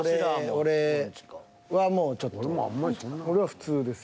俺は普通です。